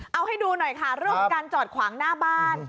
เอาให้ดูหน่อยค่ะเรื่องของการจอดขวางหน้าบ้าน